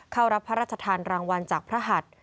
เข้ารับพระราชทานรางวัลจากพระหัส